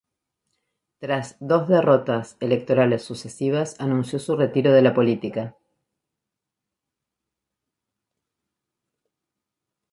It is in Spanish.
Tras dos derrotas electorales sucesivas, anunció su retiro de la política.